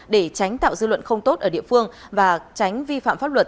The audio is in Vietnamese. để tránh tạo dư luận không tốt ở địa phương và tránh vi phạm pháp luật